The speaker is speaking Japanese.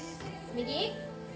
右！